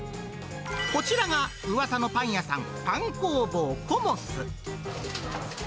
こちらがうわさのパン屋さん、パン工房コモス。